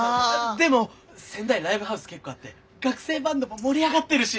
でも仙台ライブハウス結構あって学生バンドも盛り上がってるし。